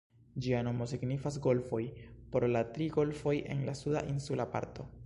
Ĝia nomo signifas "Golfoj", pro la tri golfoj en la suda insula parto.